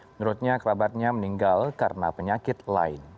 menurutnya kerabatnya meninggal karena penyakit lain